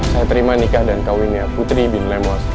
saya terima nikah dan kawinnya putri bin lemos